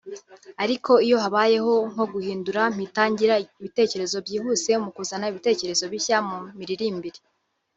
ariko iyo habayeho nko guhindura mpita ngira ibitekerezo byihuse mu kuzana ibitekerezo bishya mu miririmbire